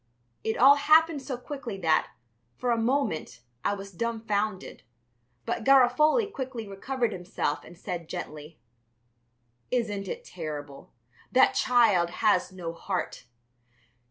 It all happened so quickly that, for a moment, I was dumbfounded, but Garofoli quickly recovered himself and said gently: "Isn't it terrible? That child has no heart."